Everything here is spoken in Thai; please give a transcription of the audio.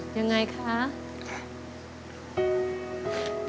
ยังไงครับ